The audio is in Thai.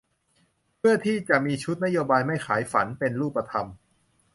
เพื่อที่จะมีชุดนโยบายไม่ขายฝัน เป็นรูปธรรม